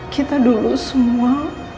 kita dulu semua